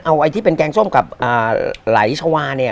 เอาไอ้ที่เป็นแกงส้มกับไหลชาวาเนี่ย